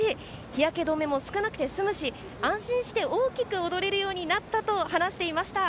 日焼け止めも少なくてすむし安心して大きく踊れるようになったと話していました。